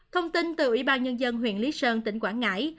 thông tin từ ủy ban nhân dân huyện lý sơn tỉnh quảng ngãi